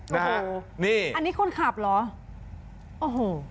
อันนี้คนขับเหรอ